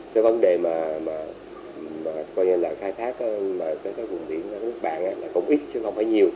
cái vấn đề mà mà mà coi như là khai thác cái vùng biển ở nước bạn là không ít chứ không phải nhiều